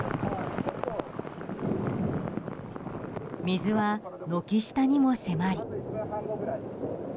水は軒下にも迫り。